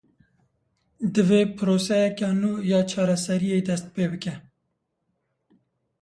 Divê proseyeke nû ya çareseriyê dest pê bike.